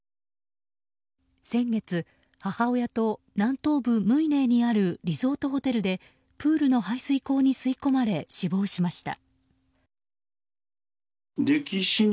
先月、母親と南東部ムイネーにあるリゾートホテルでプールの排水溝に吸い込まれ、死亡しました。